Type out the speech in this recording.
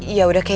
iya udah kei